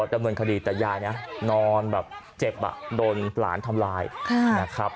ดำเนินคดีแต่ยายนะนอนแบบเจ็บอ่ะโดนหลานทำลายนะครับ